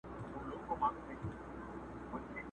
نا امیده له قاضي له حکومته؛